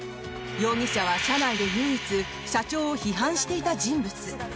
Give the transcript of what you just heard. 容疑者は社内で唯一社長を批判していた人物。